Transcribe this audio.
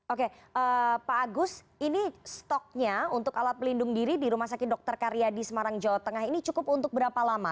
oke pak agus ini stoknya untuk alat pelindung diri di rumah sakit dr karyadi semarang jawa tengah ini cukup untuk berapa lama